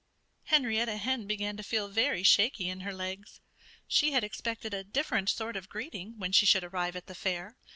Henrietta Hen began to feel very shaky in her legs. She had expected a different sort of greeting, when she should arrive at the fair.